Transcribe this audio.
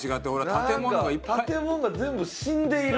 建物が全部死んでいる。